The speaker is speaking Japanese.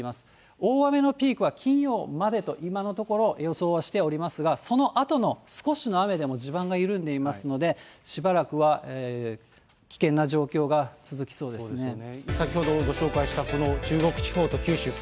大雨のピークは金曜までと、今のところ予想してはおりますが、そのあとの少しの雨でも地盤が緩んでいますので、しばらくは危険な状況が続きそうですね。